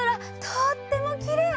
とってもきれい！